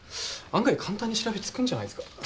案外簡単に調べつくんじゃないっすか？